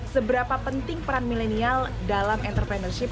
seberapa penting peran milenial dalam entrepreneurship